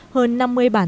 hơn năm mươi bản thông tin